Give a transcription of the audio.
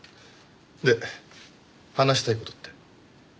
で話したい事って？